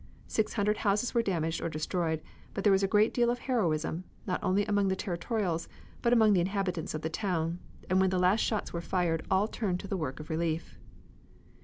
Six hundred houses were damaged or destroyed, but there was a great deal of heroism, not only among the territorials, but among the inhabitants of the town, and when the last shots were fired all turned to the work of relief.